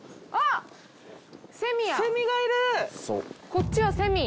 こっちはセミ。